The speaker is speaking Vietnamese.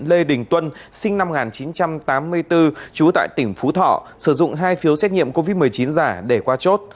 lê đình tuân sinh năm một nghìn chín trăm tám mươi bốn trú tại tỉnh phú thọ sử dụng hai phiếu xét nghiệm covid một mươi chín giả để qua chốt